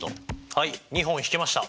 はい２本ひけました。